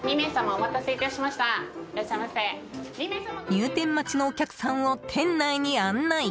入店待ちのお客さんを店内に案内！